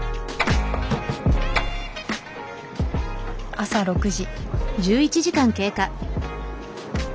朝６時。